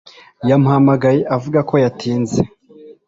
Yamuhamagaye avuga ko yatinze.